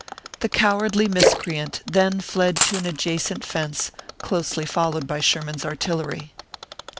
The cowardly miscreant then fled to an adja cent fence, closely followed by Sherman s Artillery.